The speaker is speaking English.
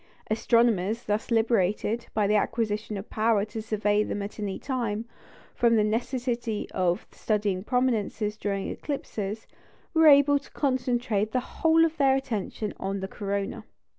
Astronomers, thus liberated, by the acquisition of power to survey them at any time, from the necessity of studying prominences during eclipses, were able to concentrate the whole of their attention on the corona.